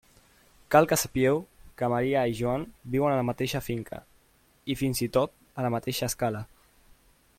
Cal que sapieu que Maria i Joan viuen a la mateixa finca i, fins i tot, a la mateixa escala.